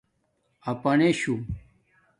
اپانشُو